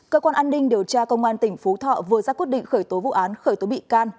cơ quan an ninh điều tra công an tỉnh phú thọ vừa ra quyết định khởi tố vụ án khởi tố bị can